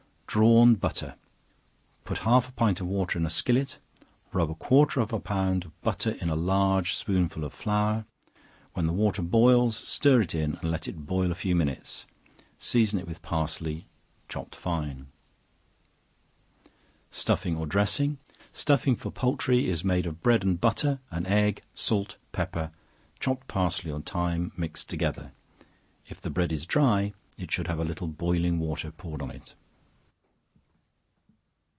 Drawn Butter. Put half a pint of water in a skillet; rub a quarter of a pound of butter in a large spoonful of flour; when the water boils, stir it in and let it boil a few minutes, season it with parsley, chopped fine. Stuffing or Dressing. Stuffing for poultry is made of bread and butter, an egg, salt, pepper, chopped parsley or thyme, mixed together; if the bread is dry, it should have a little boiling water poured on it.